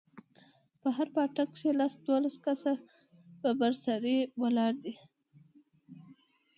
په هر پاټک کښې لس دولس کسه ببر سري ولاړ دي.